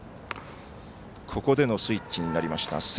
ここでのスイッチになりました。